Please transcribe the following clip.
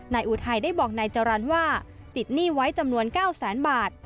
อุทัยได้บอกนายจรรย์ว่าติดหนี้ไว้จำนวน๙แสนบาท